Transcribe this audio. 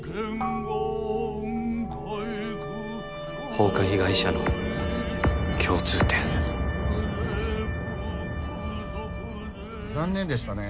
放火被害者の共通点残念でしたね